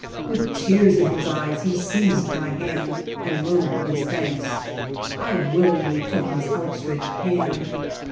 With tears in his eyes, he seized my hand and murmured his thanks. I willingly took his outstretched hand....